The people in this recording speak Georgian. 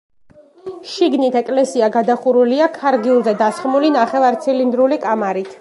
შიგნით ეკლესია გადახურულია ქარგილზე დასხმული ნახევარცილინდრული კამარით.